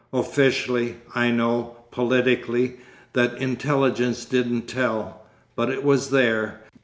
Officially, I know, politically, that intelligence didn't tell—but it was there.